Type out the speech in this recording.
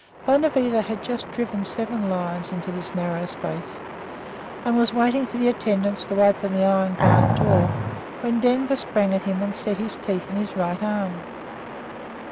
Bonavita had just driven seven lions into this narrow space, and was waiting for the attendants to open the iron barred door, when Denver sprang at him and set his teeth in his right arm.